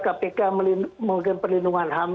kpk melakukan perlindungan ham